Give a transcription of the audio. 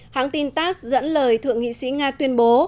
hãng tin tass dẫn lời thượng nghị sĩ nga tuyên bố